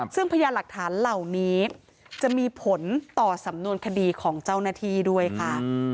ซึ่งพยานหลักฐานเหล่านี้จะมีผลต่อสำนวนคดีของเจ้าหน้าที่ด้วยค่ะ